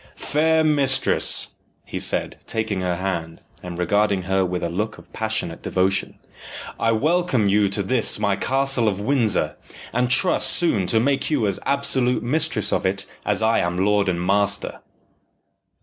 "Fair mistress," he said, taking her hand, and regarding her with a look of passionate devotion, "I welcome you to this my castle of Windsor, and trust soon to make you as absolute mistress of it as I am lord and master."